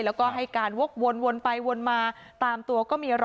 แล้วก็ให้การวกวนไปวนมาตามตัวก็มีรอย